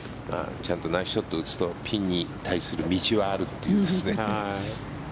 ちゃんとナイスショットを打つとピンに対する道はあるっていうんですね。